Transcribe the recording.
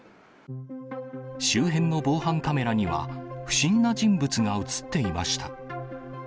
周辺の防犯カメラには、不審な人物が写っていました。